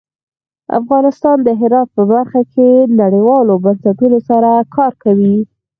افغانستان د هرات په برخه کې نړیوالو بنسټونو سره کار کوي.